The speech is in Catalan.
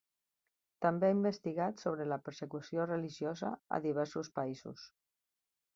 També ha investigat sobre la persecució religiosa a diversos països.